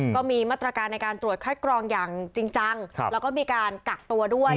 ก็มีมาตรการในการตรวจคัดกรองอย่างจริงจังแล้วก็มีการกักตัวด้วย